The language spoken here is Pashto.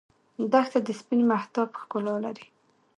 دښته د سپین مهتاب ښکلا لري.